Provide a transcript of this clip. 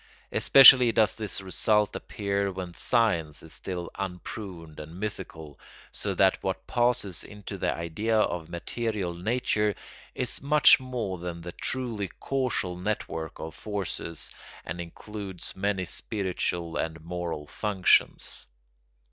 Especially does this result appear when science is still unpruned and mythical, so that what passes into the idea of material nature is much more than the truly causal network of forces, and includes many spiritual and moral functions.